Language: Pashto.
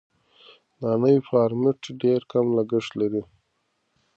دا نوی فارمټ ډېر کم لګښت لري.